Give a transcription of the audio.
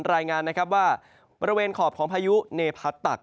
รายงานว่าบริเวณขอบของพายุเนพัตตัก